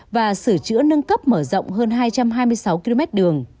và sửa chữa nâng cấp mở rộng hơn hai trăm hai mươi sáu km đường